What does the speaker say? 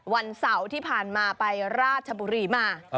วันเสาร์ที่ผ่านมาไปราชบุรีมา